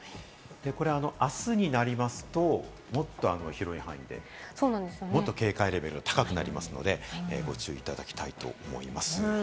あすになりますと、もっと広い範囲で、もっと警戒レベルが高くなりますので、ご注意いただきたいと思います。